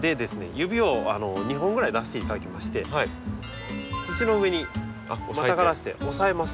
指を２本ぐらい出していただきまして土の上にまたがらせて押さえます。